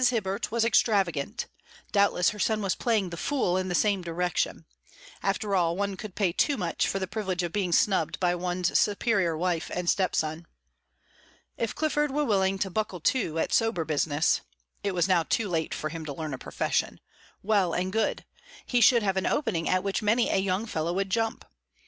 Hibbert was extravagant; doubtless her son was playing the fool in the same direction. After all, one could pay too much for the privilege of being snubbed by one's superior wife and step son. If Clifford were willing to "buckle to" at sober business (it was now too late for him to learn a profession), well and good; he should have an opening at which many a young fellow would jump.